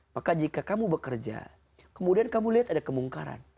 maka jika kamu bekerja kemudian kamu lihat ada kemungkaran